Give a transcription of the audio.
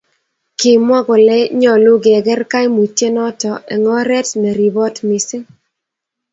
kimwa kole nyolu kegerr kaimutyenoto eng' oret neribiot mising.